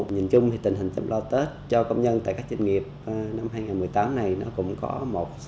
nhìn chung thì tình hình chăm lo tết cho công nhân tại các doanh nghiệp năm hai nghìn một mươi tám này cũng có một